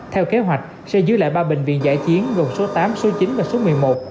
theo kế hoạch sẽ giữ lại ba bệnh viện giải chiến gồm số tám số chín và số một mươi một